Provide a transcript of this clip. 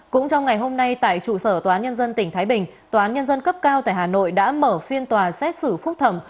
cũng trong ngày hôm nay tại trụ sở tòa án nhân dân tỉnh thái bình tòa án nhân dân cấp cao tại hà nội đã mở phiên tòa xét xử phúc thẩm